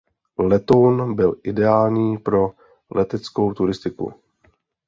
Letoun byl ideální pro leteckou turistiku.